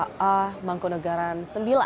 pura mangkunagaran sembilan